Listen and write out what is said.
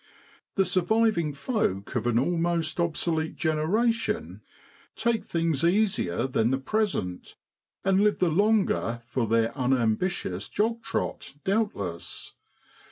The surviving folk of an almost obsolete generation take things easier than the present, and live the longer for their unam bitious jog trot, doubtless.